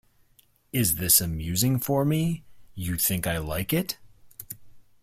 Is this amusing for me? You think I like it?